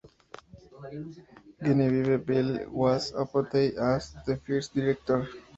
Genevieve Bell was appointed as the first director.